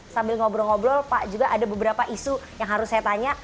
sambil ngobrol ngobrol pak juga ada beberapa isu yang harus saya tanya